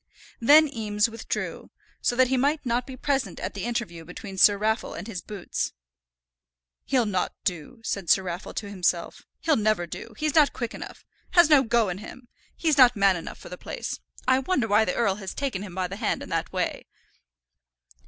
Then Eames withdrew, so that he might not be present at the interview between Sir Raffle and his boots. "He'll not do," said Sir Raffle to himself. "He'll never do. He's not quick enough, has no go in him. He's not man enough for the place. I wonder why the earl has taken him by the hand in that way."